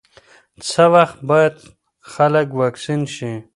څه وخت باید خلک واکسین شي؟